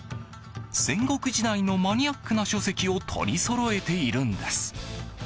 戦国時代のマニアックな書籍を取りそろえているんです。